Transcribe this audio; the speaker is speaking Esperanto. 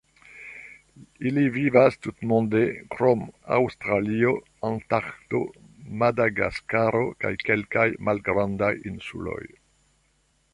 Ili vivas tutmonde krom Aŭstralio, Antarkto, Madagaskaro kaj kelkaj malgrandaj insuloj.